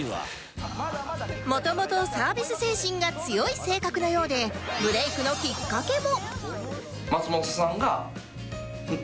元々サービス精神が強い性格なようでブレイクのきっかけも